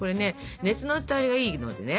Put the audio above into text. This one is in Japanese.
熱の伝わりがいいのでね